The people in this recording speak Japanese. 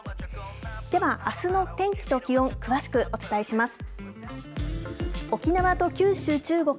ではあすの天気と気温、詳しくお伝えします。